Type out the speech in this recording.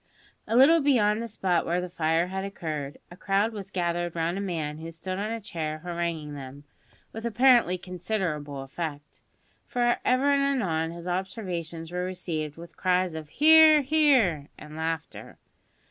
A little beyond the spot where the fire had occurred, a crowd was gathered round a man who stood on a chair haranguing them, with apparently considerable effect, for ever and anon his observations were received with cries of "Hear, hear," and laughter.